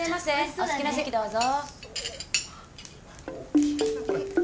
お好きな席どうぞ。